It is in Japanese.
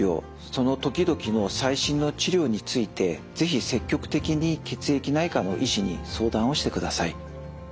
その時々の最新の治療について是非積極的に血液内科の医師に相談をしてください。